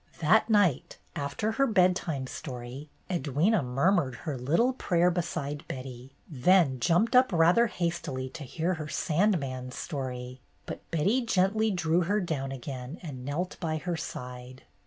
That night, after her bedtime story, Edwyna murmured her little prayer beside Betty, then jumped up rather hastily to hear her " Sand man's story." But Betty gently drew her down again and knelt by her side.